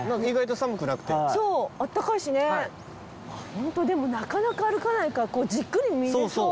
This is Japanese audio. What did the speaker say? ホントでもなかなか歩かないからじっくり見れそう。